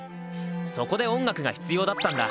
そこで音楽が必要だったんだ。